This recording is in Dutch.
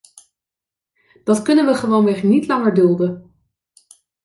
Dat kunnen we gewoonweg niet langer dulden!